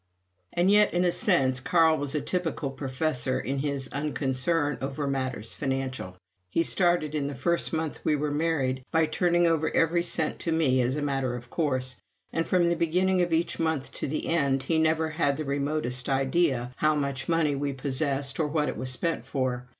And yet, in a sense, Carl was a typical professor in his unconcern over matters financial. He started in the first month we were married by turning over every cent to me as a matter of course; and from the beginning of each month to the end, he never had the remotest idea how much money we possessed or what it was spent for.